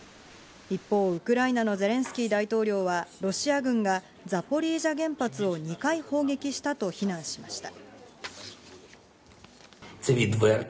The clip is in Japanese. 一方、ウクライナのゼレンスキー大統領は、ロシア軍がザポリージャ原発を２回砲撃したと非難しました。